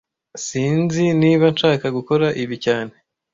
Sinzi niba nshaka gukora ibi cyane